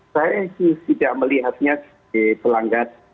saya tidak melihatnya di pelanggan